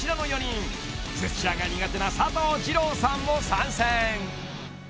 ［ジェスチャーが苦手な佐藤二朗さんも参戦］